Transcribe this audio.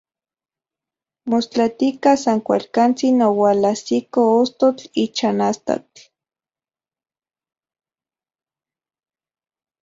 Mostlatika, san kualkantsin oualajsiko ostotl ichan astatl.